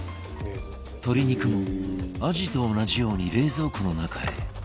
鶏肉もアジと同じように冷蔵庫の中へ